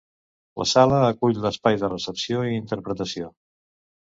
La sala acull l’espai de recepció i interpretació.